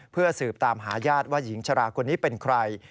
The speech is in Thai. เพื่อสืบตามหาญาติว่าหญิงชราคนนี้เป็นใคร